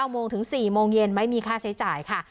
โมงถึง๔โมงเย็นไม่มีค่าใช้จ่ายค่ะ